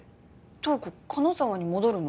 瞳子金沢に戻るの？